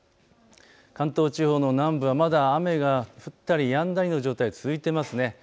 関東地方の南部はまだ雨が降ったりやんだりの状態、続いていますね。